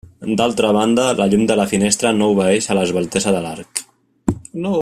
D'altra banda, la llum de la finestra no obeeix a l'esveltesa de l'arc.